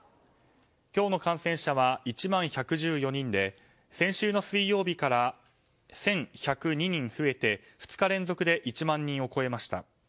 今日の感染者は１万１１４人で先週の水曜日から１１０２人増えて２日連続で１万人を超えました。